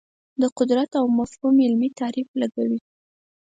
د قدرت دا مفهوم علمي تعریف لګوي